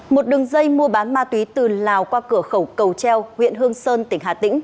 một đường dây mua bán ma túy từ lào qua cửa khẩu cầu treo huyện hương sơn tỉnh hà tĩnh